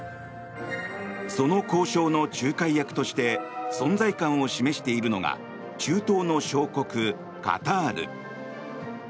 その交渉の仲介役として存在感を示しているのが中東の小国カタール。